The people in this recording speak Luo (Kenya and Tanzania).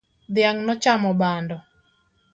Dhiang' nochamo bando